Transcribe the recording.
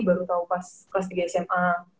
baru tahu pas kelas tiga sma